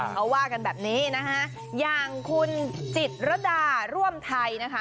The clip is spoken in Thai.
เขาว่ากันแบบนี้นะคะอย่างคุณจิตรดาร่วมไทยนะคะ